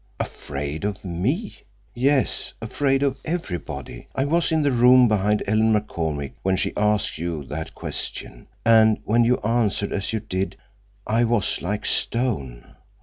"Afraid of me?" "Yes, afraid of everybody. I was in the room behind Ellen McCormick when she asked you—that question; and when you answered as you did, I was like stone.